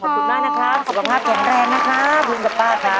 ขอบคุณมากนะคะสุขภาพแข็งแรงนะคะคุณกับป้าค่ะ